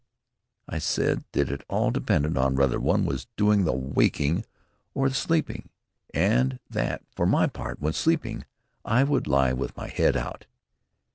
I said that it all depended on whether one was doing the waking or the sleeping, and that, for my part, when sleeping, I would lie with my head out.